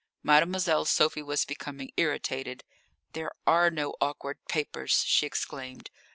Mademoiselle Sophie was becoming irritated. "There are no awkward papers!" she exclaimed.